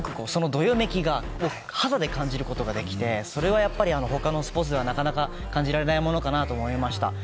どよめきを肌で感じることができてそれはやっぱり他のスポーツではなかなか感じられないものかなと思いました。